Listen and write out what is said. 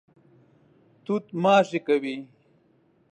توت ماشې کوي.